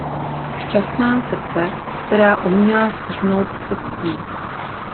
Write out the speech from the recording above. Šťastná srdce, která uměla ztichnout se ctí.